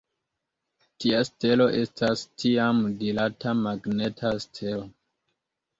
Tia stelo estas tiam dirata magneta stelo.